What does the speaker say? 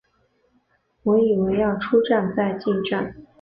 我以为要出站再进站